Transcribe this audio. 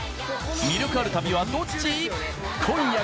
魅力ある旅はどっち？